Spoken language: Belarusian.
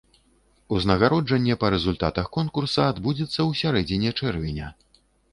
Узнагароджанне па рэзультатах конкурса адбудзецца ў сярэдзіне чэрвеня.